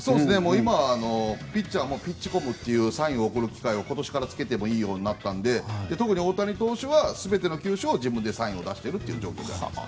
今はピッチャーもピッチコムというサインを送る機械を今年から着けてもいいようになったので特に大谷選手は全ての球種を自分でサインを出していると。